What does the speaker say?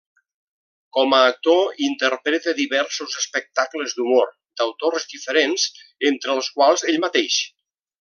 Com a actor interpreta diversos espectacles d'humor d'autors diferents, entre els quals ell mateix.